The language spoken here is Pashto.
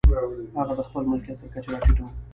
هغه د خپل ملکیت تر کچې را ټیټوو.